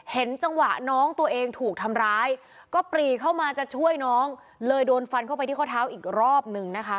เห็นจังหวะน้องตัวเองถูกทำร้ายก็ปรีเข้ามาจะช่วยน้องเลยโดนฟันเข้าไปที่ข้อเท้าอีกรอบนึงนะคะ